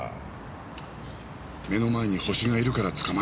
目の前にホシがいるから捕まえる。